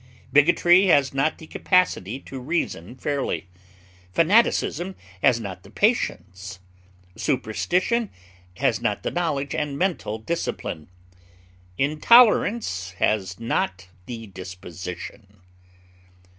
Bigotry has not the capacity to reason fairly, fanaticism has not the patience, superstition has not the knowledge and mental discipline, intolerance has not the disposition.